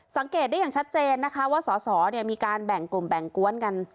สังเกตได้อย่างชัดเจนนะคะว่าสอสอมีการแบ่งกลุ่มแบ่งกวนกัน